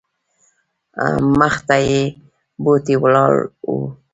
مخته یې بوټې ولاړ وو.